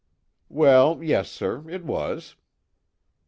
"Well yes, sir, it was."